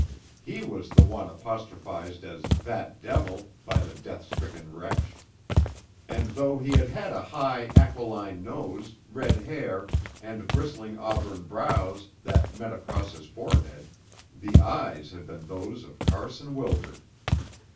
He was the one apostrophised as "that devil" by the death stricken wretch; and though he had had a high, aquiline nose, red hair, and bristling auburn brows that met across his forehead, the eyes had been those of Carson Wildred.